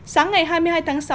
sáng ngày hai mươi hai tháng sáu